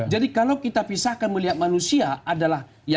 jadi kalau kita pisahkan melihat manusia adalah